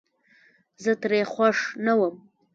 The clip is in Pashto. زه ترې خوښ نه ووم